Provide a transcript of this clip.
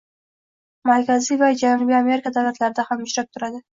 Markaziy va Janubiy Amerika davlatlarida ham uchrab turadi.